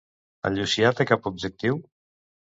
En Llucià té cap objectiu?